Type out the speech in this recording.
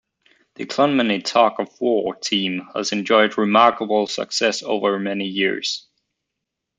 The Clonmany Tug of War team has enjoyed remarkable success over many years.